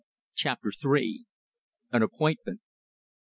CHAPTER THREE. AN APPOINTMENT.